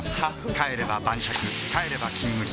帰れば晩酌帰れば「金麦」